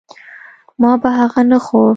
ما به هغه نه خوړ.